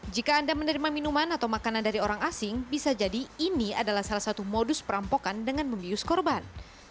jika anda menerima minuman atau makanan dari orang asing bisa jadi ini adalah salah satu modus perampokan dengan membius korban